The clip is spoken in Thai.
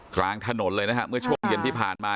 กลางถนนเลยนะฮะเมื่อช่วงเย็นที่ผ่านมา